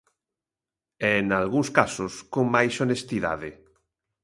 E, nalgúns casos, con máis honestidade.